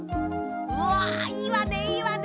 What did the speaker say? うわいいわねいいわね。